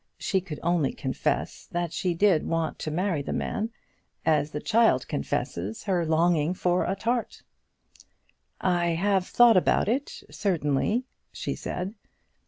She could only confess that she did want to marry the man, as the child confesses her longing for a tart. "I have thought about it, certainly," she said.